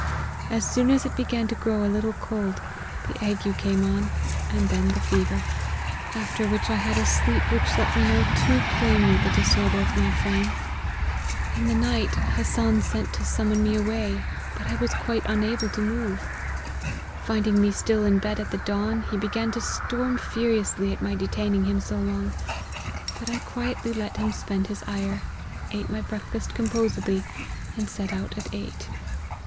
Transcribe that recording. As soon as it began to grow a little cold, the ague came on, and then the fever : after which I had a sleep, which let me know too plainly the disorder of my frame. In the night, LII'E OF HENRY MARTYN. 187 Hassan sent to summon me away, but I was quite unable to move. Finding me still in bed at the dawn, he began to storm furiously at my detaining him so long ; but I quietly let him spend his ire, ate my breakfast composedly, and set out at eight.